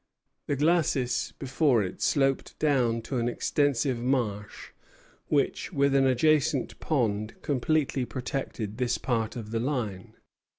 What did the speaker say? The glacis before it sloped down to an extensive marsh, which, with an adjacent pond, completely protected this part of the line.